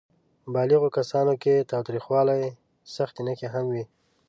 بالغو کسانو کې د تاوتریخوالي سختې نښې هم وې.